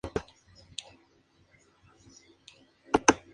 Anteriormente los vecinos habían utilizado diferentes locales como ermita.